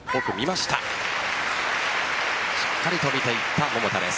しっかりと見ていった桃田です。